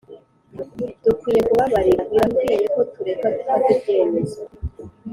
dukwiye kubabarira. birakwiye ko tureka gufata ibyemezo